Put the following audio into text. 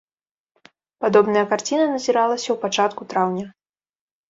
Падобная карціна назіралася ў пачатку траўня.